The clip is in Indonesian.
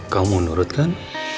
kau mau nurutkan